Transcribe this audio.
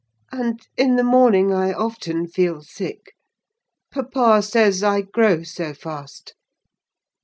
And, in the morning, I often feel sick—papa says I grow so fast."